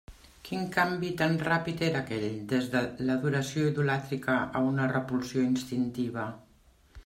Quin canvi tan ràpid era aquell, des de l'adoració idolàtrica a una repulsió instintiva?